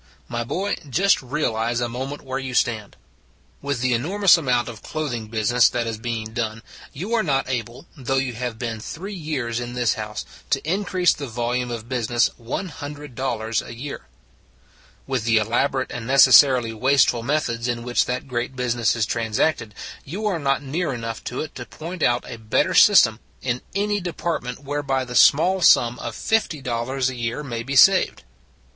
My boy, just realize a moment where you stand. With the enormous amount of clothing business that is being done, you are not able, though you have been three years in this house, to increase the volume of business $100 a year; with the elabor ate and necessarily wasteful methods in which that great business is transacted, you are not near enough to it to point out a better system in any 196 It s a Good Old World department whereby the small sum of $50 a year may be saved.